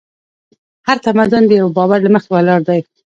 هر تمدن د یوه باور له مخې ولاړ دی.